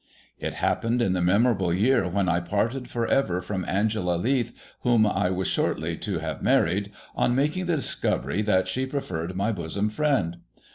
It happened in the memorable year when I parted for ever from Angela Leath, whom I was shortly to have married, on making the discovery that she preferred my bosom friend.